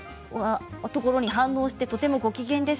ところに反応してご機嫌です。